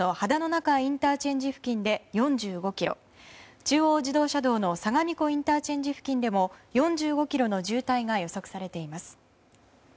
中井ＩＣ付近で中央自動車道の相模湖ＩＣ付近でも４５ｋｍの渋滞が予測されています。